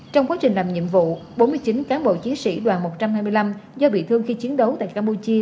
trong quá trình làm nhiệm vụ bốn mươi chín cán bộ chiến sĩ đoàn một trăm hai mươi năm do bị thương khi chiến đấu tại campuchia